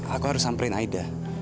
aku harus samperin aida